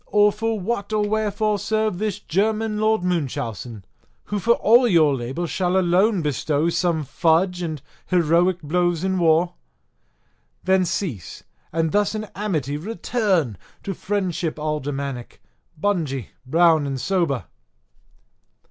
or for what or wherefore serve this German Lord Munchausen, who for all your labour shall alone bestow some fudge and heroic blows in war? Then cease, and thus in amity return to friendship aldermanic, bungy, brown, and sober."